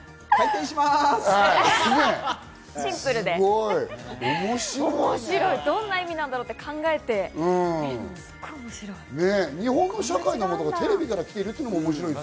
シンプルでどんな意味なんだろうって考えて、すごく面白い。